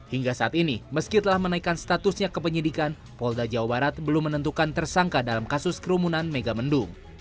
hingga saat ini meski telah menaikkan statusnya ke penyidikan polda jawa barat belum menentukan tersangka dalam kasus kerumunan megamendung